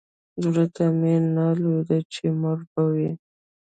زړه ته مې نه لوېده چې مړ به وي.